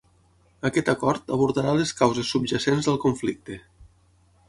Aquest acord abordarà les causes subjacents del conflicte.